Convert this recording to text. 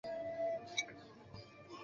岭南中学或以上。